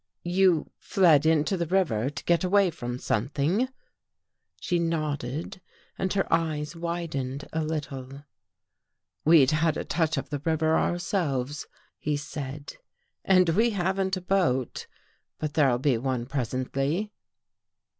"You — fled into the river to get away from something? " 286 THE WATCHERS AND THE WATCHED She nodded and her eyes widened a little. "WeVe had a touch of the river ourselves," he said, " and we haven't a boat, but there'll be one presently."